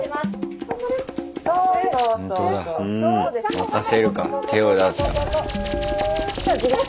任せるか手を出すか。